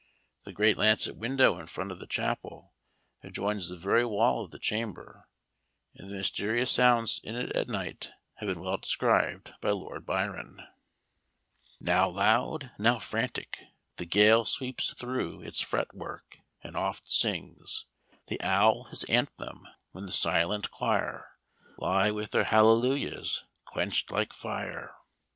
The great lancet window in front of the chapel, adjoins the very wall of the chamber; and the mysterious sounds from it at night have been well described by Lord Byron: "Now loud, now frantic, The gale sweeps through its fretwork, and oft sings The owl his anthem, when the silent quire Lie with their hallelujahs quenched like fire.